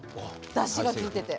だしがきいてて。